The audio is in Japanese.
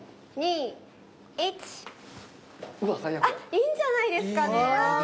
あっいいんじゃないですかね。